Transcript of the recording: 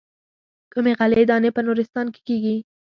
کومې غلې دانې په نورستان کې کېږي.